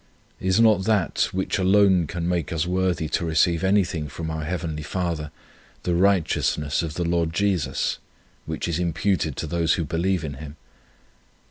Is not that, which alone can make us worthy to receive anything from our Heavenly Father, the righteousness of the Lord Jesus, which is imputed to those who believe in Him?